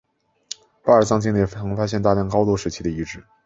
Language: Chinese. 巴尔藏境内曾发现大量高卢时期的遗址。